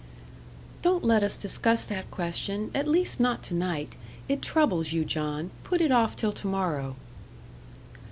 "Don't let us discuss that question at least, not to night. It troubles you, John. Put it off till to morrow."